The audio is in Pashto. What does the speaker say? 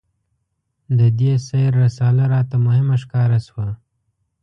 د دې سیر رساله راته مهمه ښکاره شوه.